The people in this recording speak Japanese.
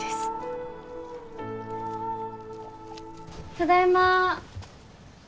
ただいま。